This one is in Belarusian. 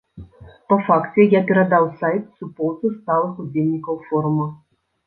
Па факце я перадаў сайт суполцы сталых удзельнікаў форума.